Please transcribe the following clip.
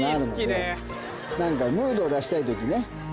何かムードを出したい時ね。